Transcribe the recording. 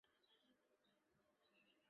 首府为塔布克。